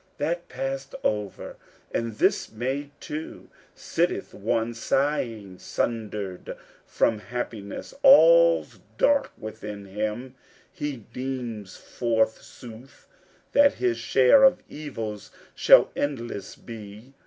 That pass'd over, and this may, too! Sitteth one sighing, sunder'd from happiness; all's dark within him; he deems forsooth that his share of evils shall endless be.